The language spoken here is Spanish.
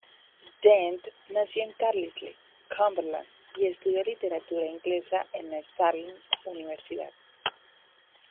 Dent nació en Carlisle, Cumberland, y estudió Literatura Inglesa en la Stirling Universidad.